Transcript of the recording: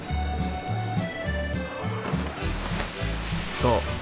そう。